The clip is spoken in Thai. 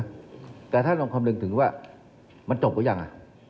แต่ถ้าท่านต้องคำนึกถึงว่ามันจบหรือยัง